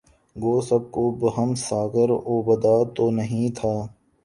گو سب کو بہم ساغر و بادہ تو نہیں تھا